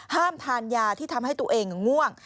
ห้ามทานยาที่ทำให้ตัวเองง่วง